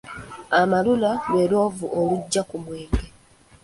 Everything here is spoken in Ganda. Amalula lwe lwovu olujja ku mwenge.